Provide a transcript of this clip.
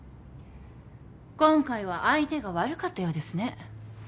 今回は相手が悪かったようですね。